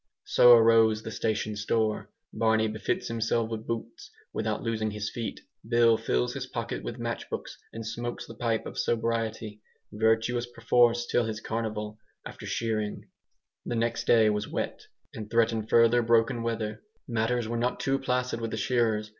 So arose the station store. Barney befits himself with boots without losing his feet; Bill fills his pocket with match boxes and smokes the pipe of sobriety, virtuous perforce till his carnival, after shearing. The next day was wet, and threatened further broken weather. Matters were not too placid with the shearers.